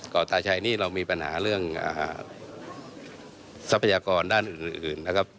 ตาชัยนี่เรามีปัญหาเรื่องทรัพยากรด้านอื่นนะครับ